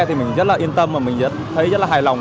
thì mình rất là yên tâm và mình thấy rất là hài lòng